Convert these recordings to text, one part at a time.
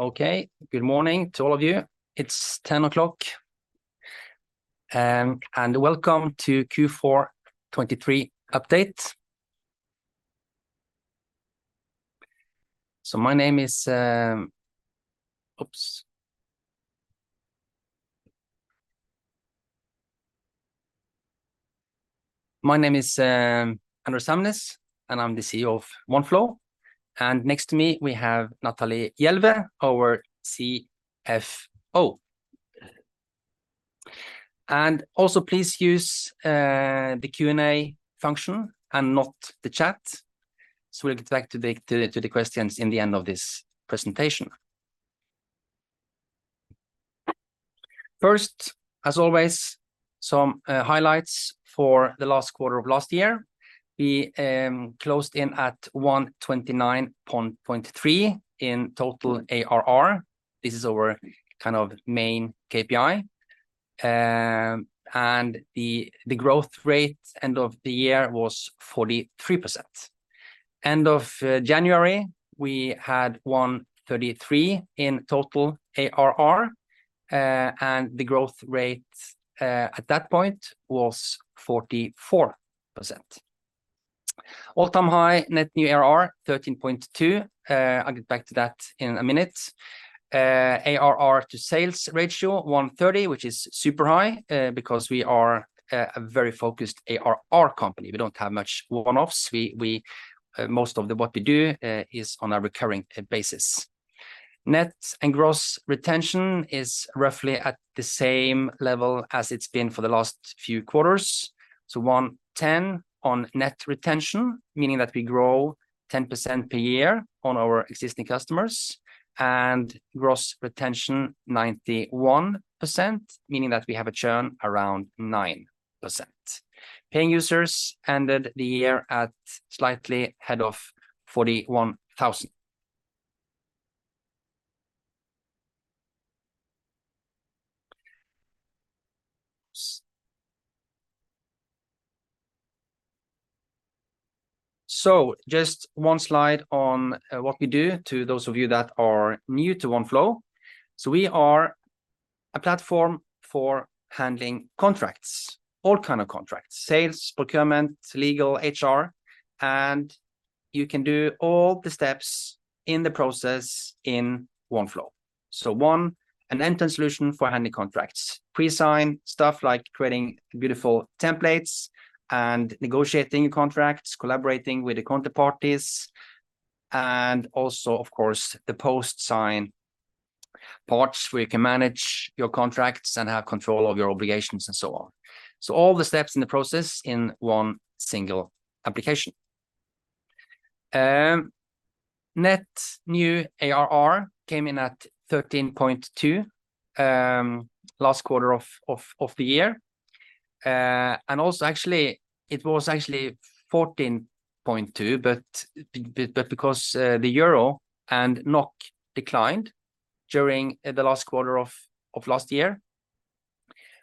Okay, good morning to all of you. It's 10:00 A.M., and welcome to Q4 2023 update. My name is Anders Hamnes, and I'm the CEO of Oneflow. Next to me we have Natalie Jelveh, our CFO. Also please use the Q&A function and not the chat, so we'll get back to the questions at the end of this presentation. First, as always, some highlights for the last quarter of last year. We closed in at 129.3 total ARR. This is our kind of main KPI, and the growth rate at the end of the year was 43%. End of January, we had 133 total ARR, and the growth rate at that point was 44%. All-time high net new ARR, 13.2. I'll get back to that in a minute. ARR to sales ratio, 130, which is super high, because we are a very focused ARR company. We don't have much one-offs. We most of what we do is on a recurring basis. Net and gross retention is roughly at the same level as it's been for the last few quarters. So 110 on net retention, meaning that we grow 10% per year on our existing customers, and gross retention 91%, meaning that we have a churn around 9%. Paying users ended the year at slightly ahead of 41,000. So just one slide on what we do to those of you that are new to Oneflow. So we are a platform for handling contracts, all kinds of contracts: sales, procurement, legal, HR, and you can do all the steps in the process in Oneflow. So, Oneflow, an end-to-end solution for handling contracts, pre-sign, stuff like creating beautiful templates and negotiating your contracts, collaborating with the counterparties, and also, of course, the post-sign parts where you can manage your contracts and have control of your obligations and so on. So all the steps in the process in one single application. Net New ARR came in at 13.2 million, last quarter of the year. And also actually it was actually 14.2 million, but because the euro and NOK declined during the last quarter of last year,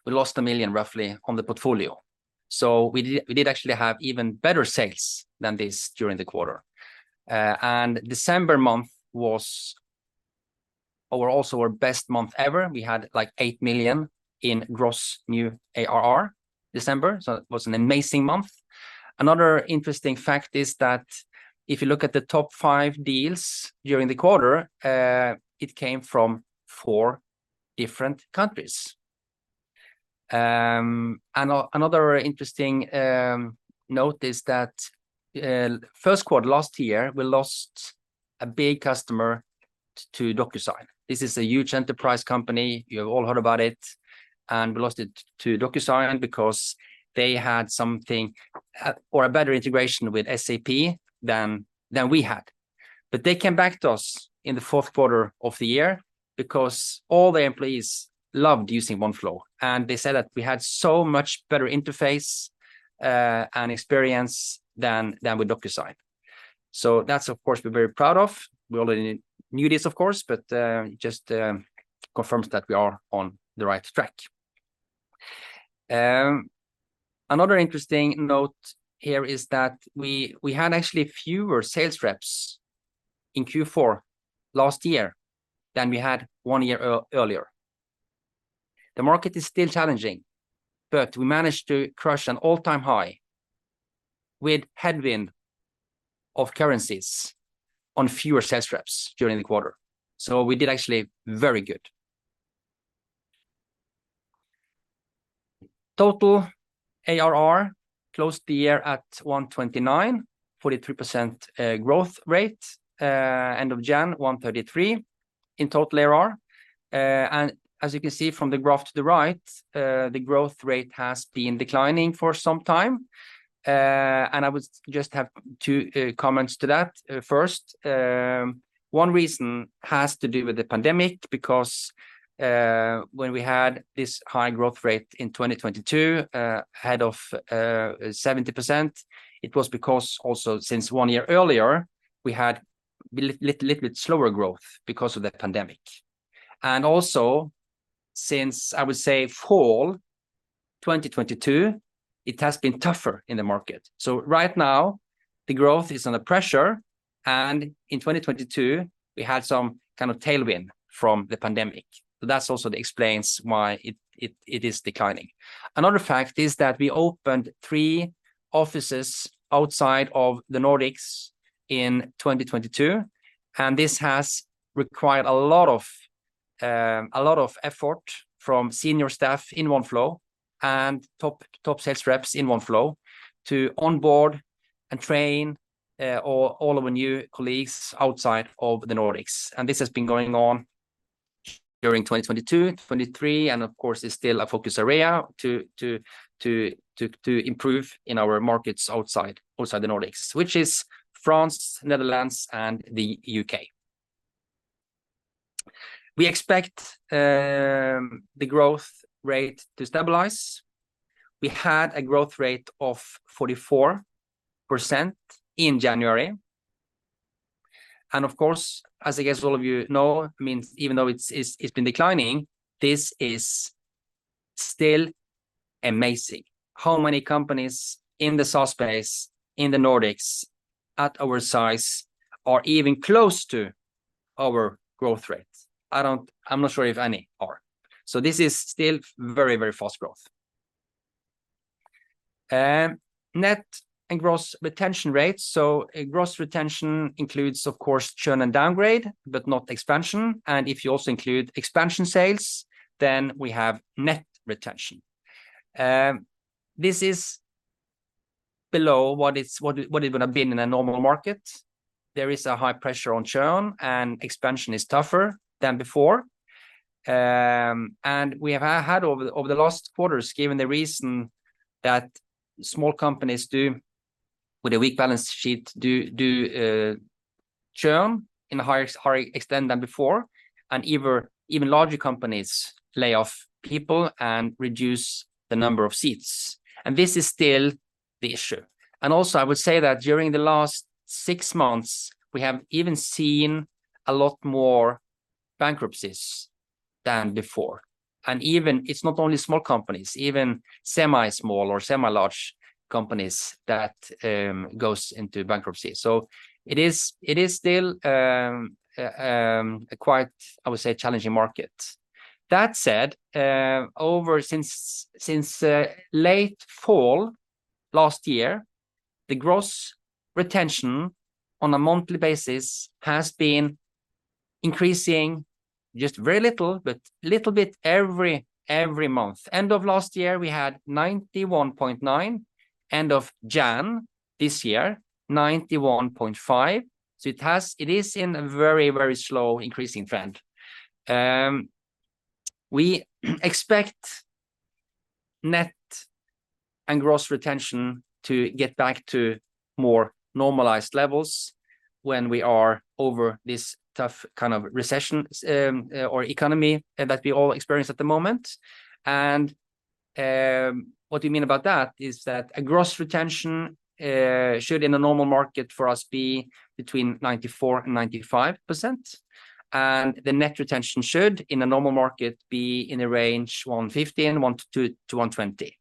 we lost roughly SEK 1 million on the portfolio. So we did actually have even better sales than this during the quarter. December month was also our best month ever. We had like 8 million in gross new ARR December. So it was an amazing month. Another interesting fact is that if you look at the top five deals during the quarter, it came from four different countries. Another interesting note is that first quarter last year we lost a big customer to DocuSign. This is a huge enterprise company. You have all heard about it. We lost it to DocuSign because they had something or a better integration with SAP than we had. They came back to us in the fourth quarter of the year because all their employees loved using Oneflow. They said that we had so much better interface and experience than with DocuSign. That's, of course, we're very proud of. We already knew this, of course, but just confirms that we are on the right track. Another interesting note here is that we had actually fewer sales reps in Q4 last year than we had one year earlier. The market is still challenging, but we managed to crush an all-time high with headwind of currencies on fewer sales reps during the quarter. So we did actually very good. Total ARR closed the year at 129, 43% growth rate, end of January, 133 in total ARR. As you can see from the graph to the right, the growth rate has been declining for some time. I would just have two comments to that. First, one reason has to do with the pandemic because when we had this high growth rate in 2022, ahead of 70%, it was because also since one year earlier we had a little bit slower growth because of the pandemic. Also since I would say fall 2022, it has been tougher in the market. Right now the growth is under pressure and in 2022 we had some kind of tailwind from the pandemic. That's also that explains why it is declining. Another fact is that we opened three offices outside of the Nordics in 2022. And this has required a lot of effort from senior staff in Oneflow and top sales reps in Oneflow to onboard and train all of our new colleagues outside of the Nordics. And this has been going on during 2022, 2023, and of course is still a focus area to improve in our markets outside the Nordics, which is France, Netherlands, and the U.K. We expect the growth rate to stabilize. We had a growth rate of 44% in January. And of course, as I guess all of you know, means even though it's been declining, this is still amazing. How many companies in the SaaS space, in the Nordics, at our size, are even close to our growth rate? I don't, I'm not sure if any are. So this is still very, very fast growth. Net and Gross Retention rates. So Gross Retention includes, of course, churn and downgrade, but not expansion. And if you also include expansion sales, then we have Net Retention. This is below what it would've been in a normal market. There is a high pressure on churn and expansion is tougher than before. And we have had over the last quarters, given the reason that small companies do, with a weak balance sheet, do churn in a higher extent than before. Even larger companies lay off people and reduce the number of seats. This is still the issue. Also I would say that during the last six months, we have even seen a lot more bankruptcies than before. Even it's not only small companies, even semi-small or semi-large companies that goes into bankruptcy. So it is still quite, I would say, challenging market. That said, since late fall last year, the gross retention on a monthly basis has been increasing just very little, but little bit every month. End of last year we had 91.9%, end of January this year, 91.5%. So it is in a very slow increasing trend. We expect net and Gross Retention to get back to more normalized levels when we are over this tough kind of recession, or economy that we all experience at the moment. And, what do you mean about that is that Gross Retention should in a normal market for us be between 94%-95%. And the Net Retention should in a normal market be in the range 115%-120%.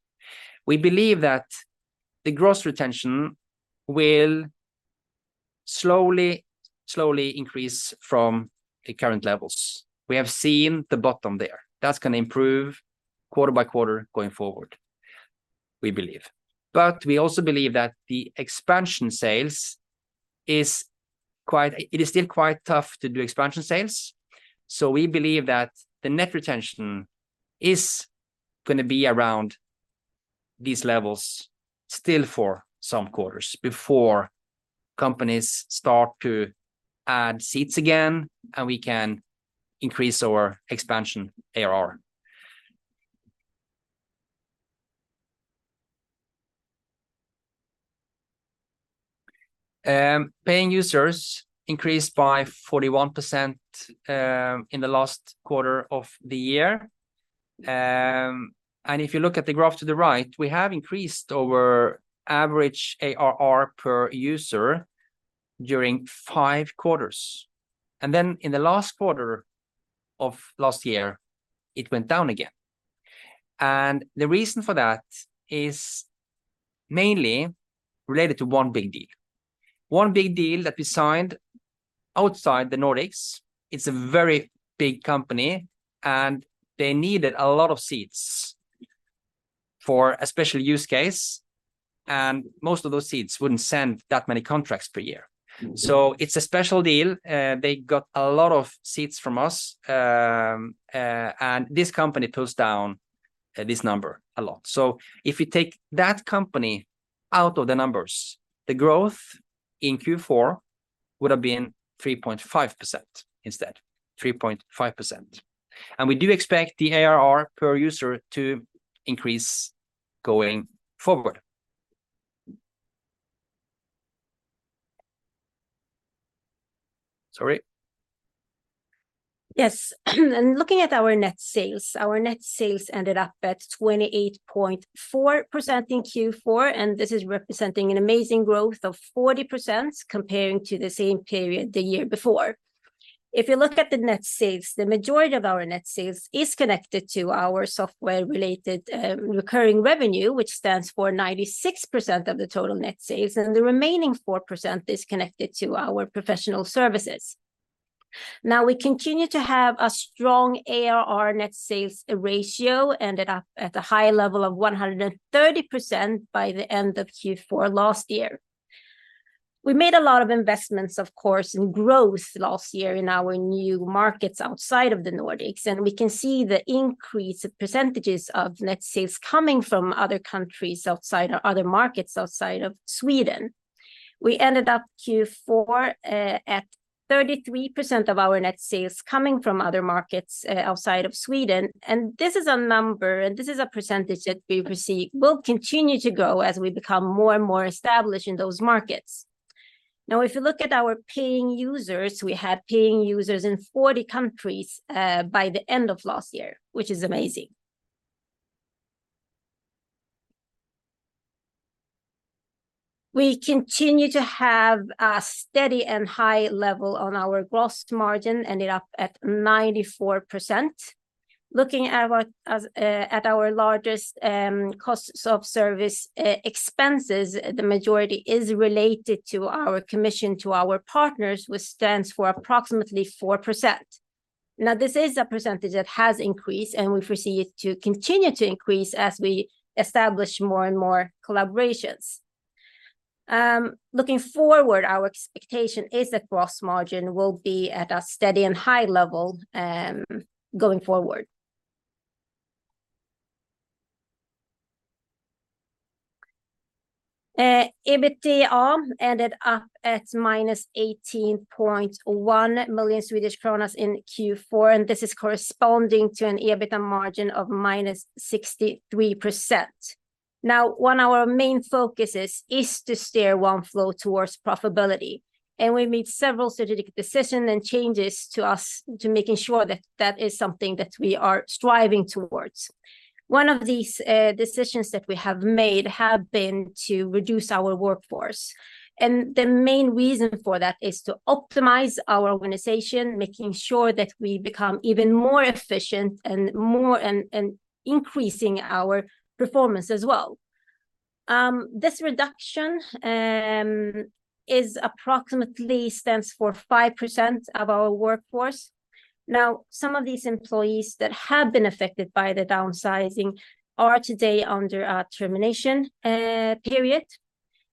We believe that the Gross Retention will slowly, slowly increase from the current levels. We have seen the bottom there. That's gonna improve quarter by quarter going forward, we believe. But we also believe that the expansion sales is quite, it is still quite tough to do expansion sales. So we believe that the net retention is gonna be around these levels still for some quarters before companies start to add seats again and we can increase our expansion ARR. Paying users increased by 41% in the last quarter of the year. And if you look at the graph to the right, we have increased our average ARR per user during five quarters. And then in the last quarter of last year, it went down again. And the reason for that is mainly related to one big deal. One big deal that we signed outside the Nordics. It's a very big company and they needed a lot of seats for a special use case. And most of those seats wouldn't send that many contracts per year. So it's a special deal. They got a lot of seats from us. And this company pulls down this number a lot. So if you take that company out of the numbers, the growth in Q4 would've been 3.5% instead, 3.5%. And we do expect the ARR per user to increase going forward. Sorry. Yes. And looking at our net sales, our net sales ended up at 28.4% in Q4, and this is representing an amazing growth of 40% comparing to the same period the year before. If you look at the net sales, the majority of our net sales is connected to our software-related, recurring revenue, which stands for 96% of the total net sales. And the remaining 4% is connected to our professional services. Now we continue to have a strong ARR net sales ratio ended up at a high level of 130% by the end of Q4 last year. We made a lot of investments, of course, in growth last year in our new markets outside of the Nordics. We can see the increase of percentages of net sales coming from other countries outside or other markets outside of Sweden. We ended up Q4, at 33% of our net sales coming from other markets, outside of Sweden. This is a number and this is a percentage that we receive will continue to grow as we become more and more established in those markets. Now if you look at our paying users, we had paying users in 40 countries, by the end of last year, which is amazing. We continue to have a steady and high level on our gross margin ended up at 94%. Looking at our largest costs of service expenses, the majority is related to our commission to our partners, which stands for approximately 4%. Now this is a percentage that has increased and we foresee it to continue to increase as we establish more and more collaborations. Looking forward, our expectation is that gross margin will be at a steady and high level, going forward. EBITDA ended up at -18.1 million Swedish kronor in Q4, and this is corresponding to an EBITDA margin of -63%. Now one of our main focuses is to steer Oneflow towards profitability. And we made several strategic decisions and changes to us to making sure that that is something that we are striving towards. One of these, decisions that we have made have been to reduce our workforce. And the main reason for that is to optimize our organization, making sure that we become even more efficient and more and, and increasing our performance as well. This reduction, is approximately stands for 5% of our workforce. Now some of these employees that have been affected by the downsizing are today under termination period.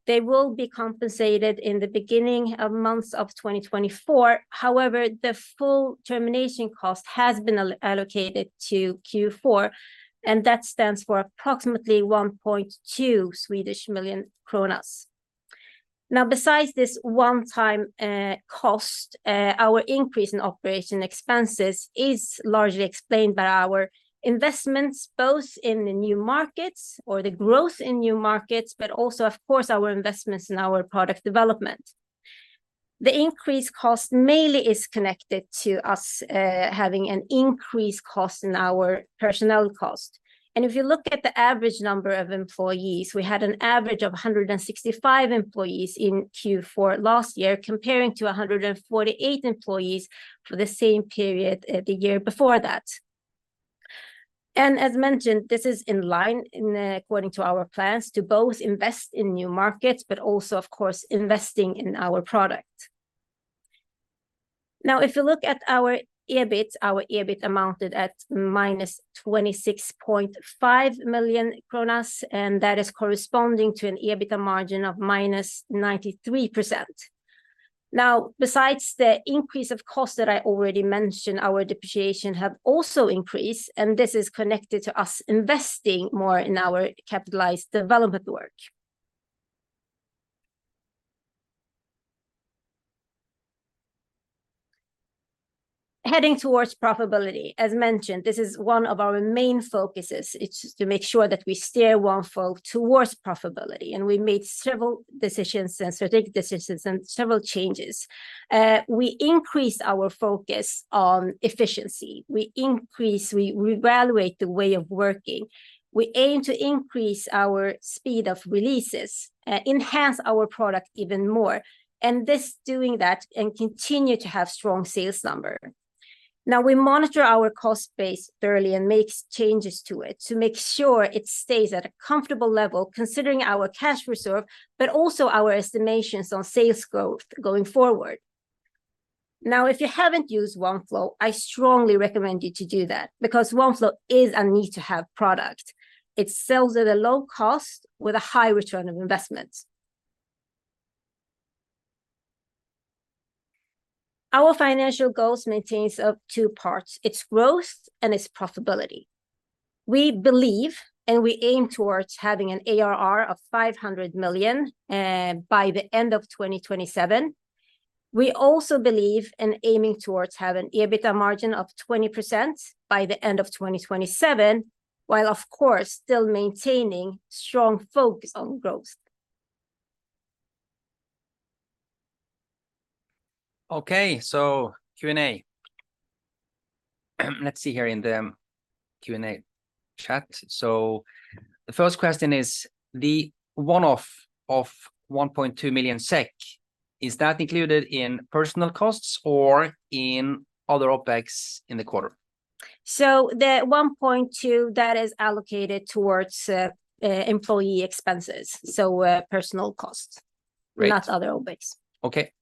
They will be compensated in the beginning of months of 2024. However, the full termination cost has been allocated to Q4, and that stands for approximately 1.2 million kronor. Now besides this one-time cost, our increase in operation expenses is largely explained by our investments both in the new markets or the growth in new markets, but also, of course, our investments in our product development. The increase cost mainly is connected to us having an increased cost in our personnel cost. And if you look at the average number of employees, we had an average of 165 employees in Q4 last year comparing to 148 employees for the same period the year before that. And as mentioned, this is in line, in accordance with our plans to both invest in new markets, but also, of course, investing in our product. Now if you look at our EBIT, our EBIT amounted at -26.5 million kronor, and that is corresponding to an EBITDA margin of -93%. Now besides the increase of costs that I already mentioned, our depreciation have also increased, and this is connected to us investing more in our capitalized development work. Heading towards profitability, as mentioned, this is one of our main focuses. It's to make sure that we steer Oneflow towards profitability. And we made several decisions and strategic decisions and several changes. We increased our focus on efficiency. We increase, we reevaluate the way of working. We aim to increase our speed of releases, enhance our product even more, and this doing that and continue to have strong sales numbers. Now we monitor our cost base thoroughly and make changes to it to make sure it stays at a comfortable level considering our cash reserve, but also our estimations on sales growth going forward. Now if you haven't used Oneflow, I strongly recommend you to do that because Oneflow is a need-to-have product. It sells at a low cost with a high return on investment. Our financial goals maintain up two parts. It's growth and it's profitability. We believe and we aim towards having an ARR of 500 million by the end of 2027. We also believe in aiming towards having an EBITDA margin of 20% by the end of 2027, while, of course, still maintaining strong focus on growth. Okay, so Q&A. Let's see here in the Q&A chat. So the first question is the one-off of 1.2 million SEK, is that included in personnel costs or in other OPEX in the quarter? So the 1.2 that is allocated towards employee expenses, so personnel costs, not other OPEX. Okay.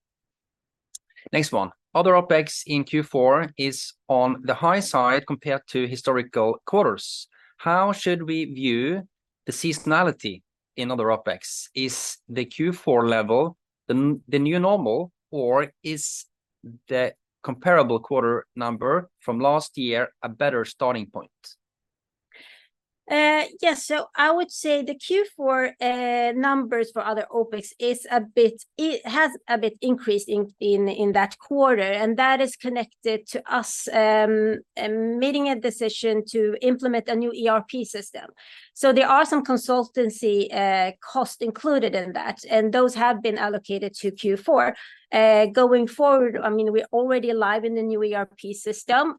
Next one. Other OPEX in Q4 is on the high side compared to historical quarters. How should we view the seasonality in other OPEX? Is the Q4 level the new normal, or is the comparable quarter number from last year a better starting point? Yes, so I would say the Q4 numbers for other OPEX is a bit, it has a bit increased in that quarter, and that is connected to us making a decision to implement a new ERP system. So there are some consultancy costs included in that, and those have been allocated to Q4. Going forward, I mean, we're already live in the new ERP system.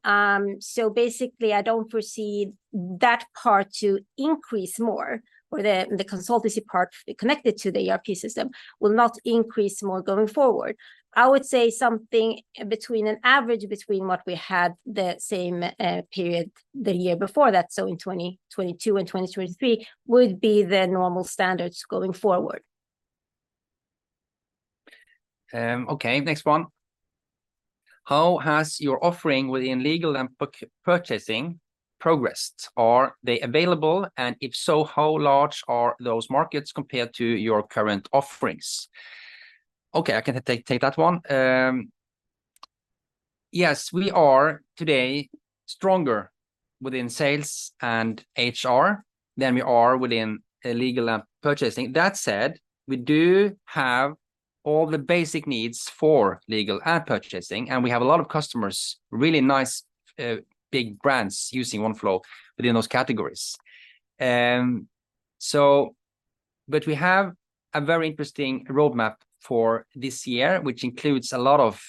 So basically I don't foresee that part to increase more, or the consultancy part connected to the ERP system will not increase more going forward. I would say something between an average between what we had the same period the year before that, so in 2022 and 2023, would be the normal standards going forward. Okay, next one. How has your offering within legal and purchasing progressed? Are they available, and if so, how large are those markets compared to your current offerings? Okay, I can take that one. Yes, we are today stronger within sales and HR than we are within legal and purchasing. That said, we do have all the basic needs for legal and purchasing, and we have a lot of customers, really nice, big brands using Oneflow within those categories. But we have a very interesting roadmap for this year, which includes a lot of,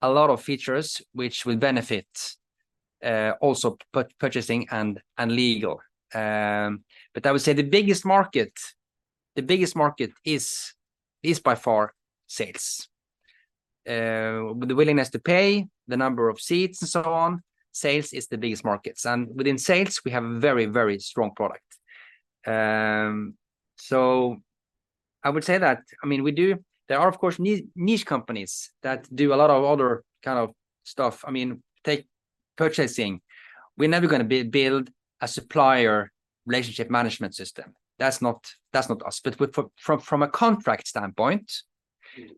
a lot of features which will benefit also purchasing and legal. But I would say the biggest market, the biggest market is, is by far sales. With the willingness to pay, the number of seats, and so on, sales is the biggest market. And within sales, we have a very, very strong product. So I would say that, I mean, we do, there are, of course, niche companies that do a lot of other kind of stuff. I mean, take purchasing. We're never going to build a supplier relationship management system. That's not, that's not us. But with from, from a contract standpoint,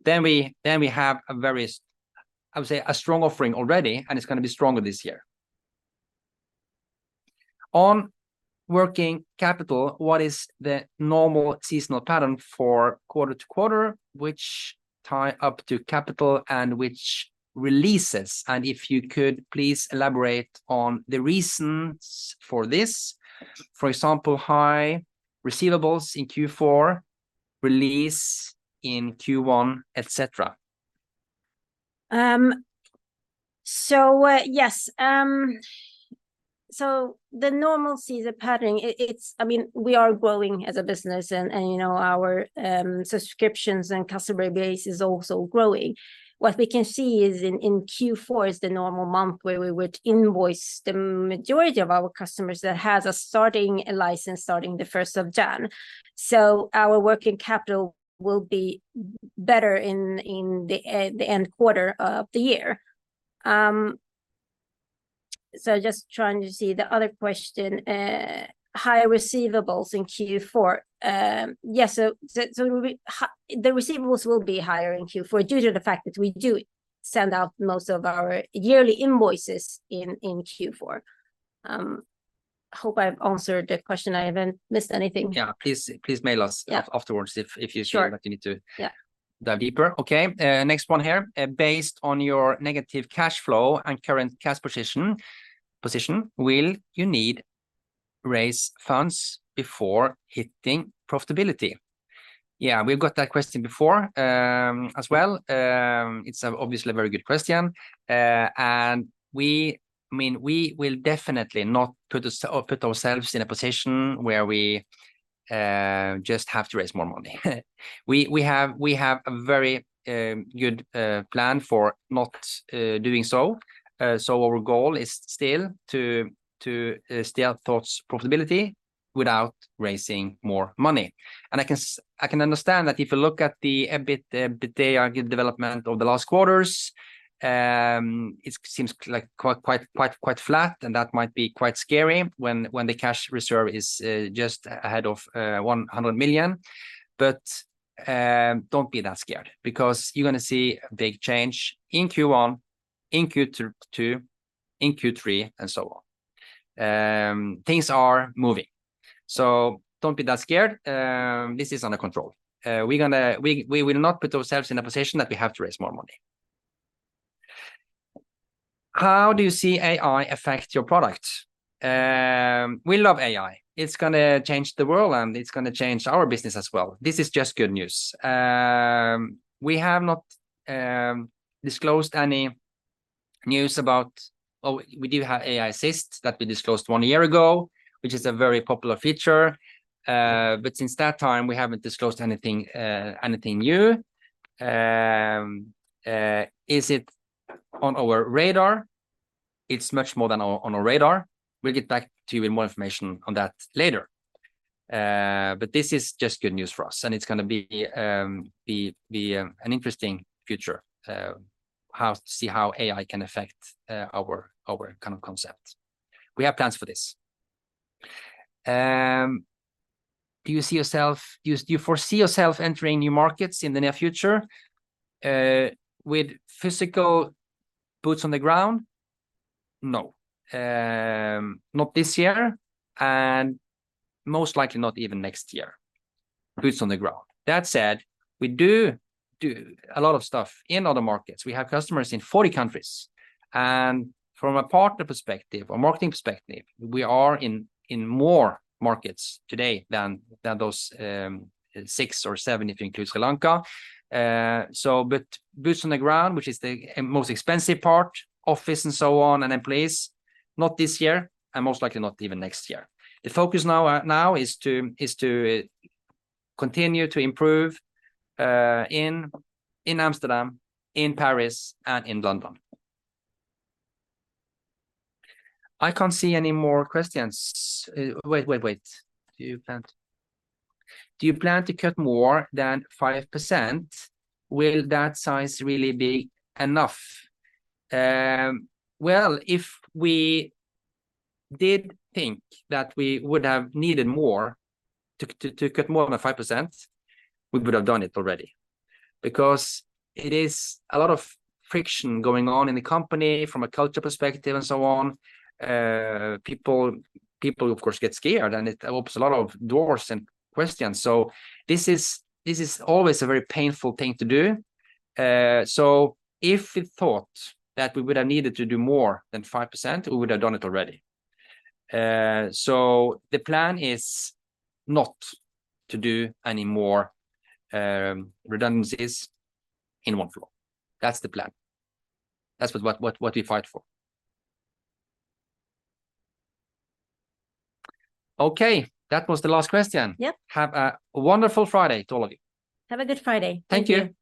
then we, then we have a very, I would say, a strong offering already, and it's going to be stronger this year. On working capital, what is the normal seasonal pattern for quarter to quarter, which tie up to capital and which releases? And if you could please elaborate on the reasons for this. For example, high receivables in Q4, release in Q1, et cetera. So, yes. So the normal seasonal pattern, it's, I mean, we are growing as a business and you know, our subscriptions and customer base is also growing. What we can see is in Q4 is the normal month where we would invoice the majority of our customers that has a starting license starting the 1st of January. So our working capital will be better in the end quarter of the year. So just trying to see the other question. High receivables in Q4. Yes, so the receivables will be higher in Q4 due to the fact that we do send out most of our yearly invoices in Q4. Hope I've answered the question. I haven't missed anything. Yeah, please mail us afterwards if you feel that you need to yeah, dive deeper. Okay. Next one here. Based on your negative cash flow and current cash position, will you need to raise funds before hitting profitability? Yeah, we've got that question before, as well. It's obviously a very good question. And we, I mean, we will definitely not put ourselves in a position where we just have to raise more money. We have a very good plan for not doing so. So our goal is still to steer towards profitability without raising more money. And I can understand that if you look at the EBITDA development of the last quarters, it seems like quite, quite, quite, quite flat. And that might be quite scary when the cash reserve is just ahead of 100 million. But don't be that scared because you're going to see a big change in Q1, in Q2, in Q3, and so on. Things are moving. So don't be that scared. This is under control. We're going to, we will not put ourselves in a position that we have to raise more money. How do you see AI affect your product? We love AI. It's going to change the world and it's going to change our business as well. This is just good news. We have not disclosed any news about. Oh, we do have AI Assist that we disclosed one year ago, which is a very popular feature. But since that time, we haven't disclosed anything new. Is it on our radar? It's much more than on our radar. We'll get back to you with more information on that later. But this is just good news for us and it's going to be an interesting future. How to see how AI can affect our kind of concept. We have plans for this. Do you see yourself, do you foresee yourself entering new markets in the near future? With physical boots on the ground? No. Not this year and most likely not even next year. Boots on the ground. That said, we do do a lot of stuff in other markets. We have customers in 40 countries. From a partner perspective, a marketing perspective, we are in more markets today than those six or seven if you include Sri Lanka. But boots on the ground, which is the most expensive part, office and so on and employees, not this year and most likely not even next year. The focus now is to continue to improve in Amsterdam, in Paris, and in London. I can't see any more questions. Wait, wait, wait. Do you plan to cut more than 5%? Will that size really be enough? Well, if we did think that we would have needed more to cut more than 5%, we would have done it already. Because it is a lot of friction going on in the company from a culture perspective and so on. People, people, of course, get scared and it opens a lot of doors and questions. So this is, this is always a very painful thing to do. So if we thought that we would have needed to do more than 5%, we would have done it already. So the plan is not to do any more redundancies in Oneflow. That's the plan. That's what, what, what we fight for. Okay, that was the last question. Yep. Have a wonderful Friday to all of you. Have a good Friday. Thank you.